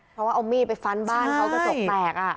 เพราะว่าเอามีดไปฟันบ้านเขากระจกแตก